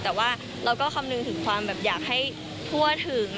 แต่ว่าเราก็คำนึงถึงความแบบอยากให้ทั่วถึง